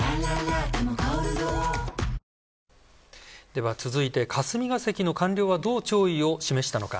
では続いて、霞が関の官僚はどう弔意を示したのか。